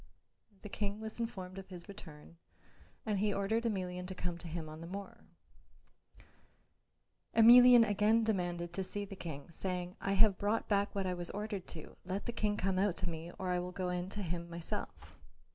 The King was informed of his return and he ordered Emelian to come to him on the morrow. Emelian again demanded to see the King, saying, "I have brought back what I was ordered to; let the King come out to me, or I will go in to him myself."